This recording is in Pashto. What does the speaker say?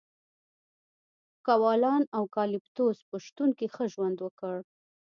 کوالان د اوکالیپتوس په شتون کې ښه ژوند وکړ.